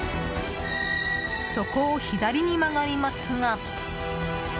そこを左に曲がりますが。